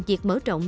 việc mở rộng